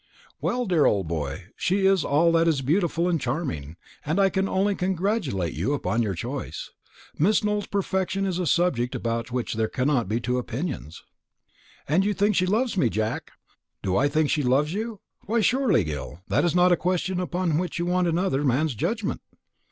"Well, dear old boy, she is all that is beautiful and charming, and I can only congratulate you upon your choice. Miss Nowell's perfection is a subject about which there cannot be two opinions." "And you think she loves me, Jack?" "Do I think she loves you? Why, surely, Gil, that is not a question upon which you want another man's judgment?"